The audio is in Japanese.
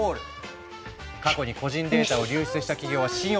「過去に個人データを流出した企業は信用できない！